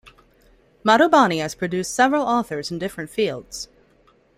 Madhubani has produced several authors in different fields.